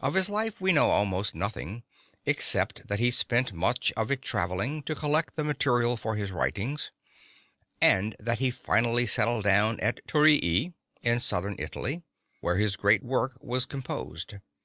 Of his life we know almost nothing, except that he spent much of it traveling, to collect the material for his writings, and that he finally settled down at Thurii, in southern Italy, where his great work was composed.